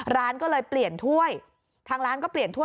ร้านก็เลยเปลี่ยนถ้วยทางร้านก็เปลี่ยนถ้วย